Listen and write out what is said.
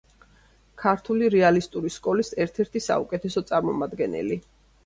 ქართული რეალისტური სკოლის ერთ-ერთი საუკეთესო წარმომადგენელი.